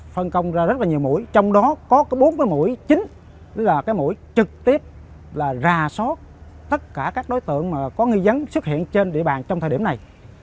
phân công ra rất nhiều mũi trong đó có bốn mũi chính tức là mũi trực tiếp là rà soát tất cả các đối tượng có nghi vấn xuất hiện trên địa bàn trong thời điểm này